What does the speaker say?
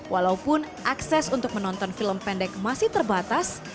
walaupun akses untuk menonton film pendek masih terbatas